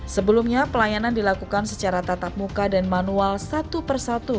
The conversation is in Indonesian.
sebelumnya pelayanan dilakukan secara tatap muka dan manual satu persatu